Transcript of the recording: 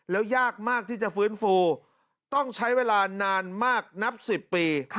แล้วยากมากที่จะฟื้นฟูต้องใช้เวลานานมากนับ๑๐ปี